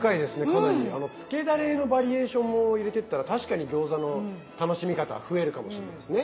あのつけダレのバリエーションも入れてったら確かに餃子の楽しみ方増えるかもしれないですね。